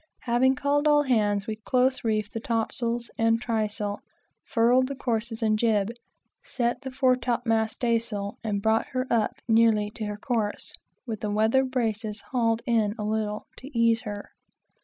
Having called all hands, we close reefed the topsails and trysail, furled the courses and job, set the fore top mast staysail, and brought her up nearly to her course, with the weather braces hauled in a little, to ease her.